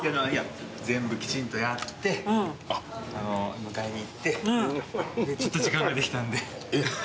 全部きちんとやって迎えに行ってちょっと時間ができたんで。